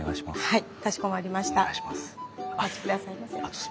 はい。